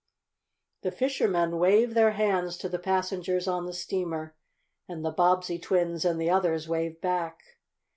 The fishermen waved their hands to the passengers on the steamer, and the Bobbsey twins and the others waved back.